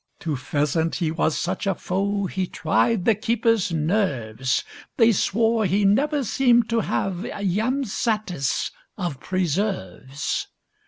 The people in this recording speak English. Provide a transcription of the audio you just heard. To pheasant he was such a foe, He tried the keepers' nerves; They swore he never seem'd to have Jam satis of preserves.